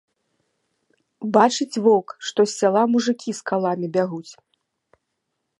Бачыць воўк, што з сяла мужыкі з каламі бягуць.